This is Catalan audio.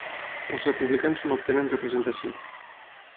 Els Republicans no obtenen representació.